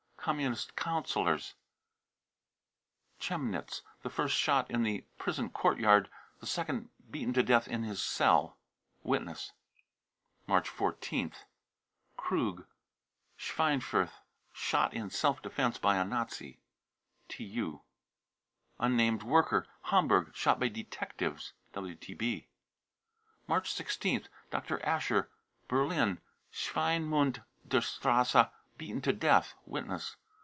Communist councillors, Chemnitz ; the first shot in the prison courtyard, the second beaten to death in his cell. (Witness.) March 14th. krug, Schweinfurth, shot " in self defence " by a Nazi. ( TU.) unnamed worker, Hamburg, shot by detectives. (WTB.) March 16th. dr. ascher, Berlin, Swinemunderstrasse, beaten to death. (Witness.)